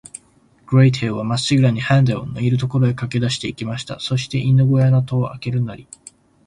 グレーテルは、まっしぐらに、ヘンゼルのいる所へかけだして行きました。そして、犬ごやの戸をあけるなり、